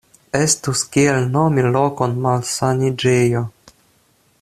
Estus kiel nomi lokon malsaniĝejo.